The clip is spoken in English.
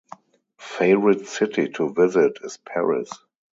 Favorite city to visit is Paris.